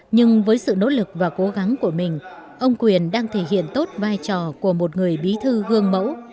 nhưng với sự nỗ lực và cố gắng của mình ông quyền đang thể hiện tốt vai trò của một người bí thư gương mẫu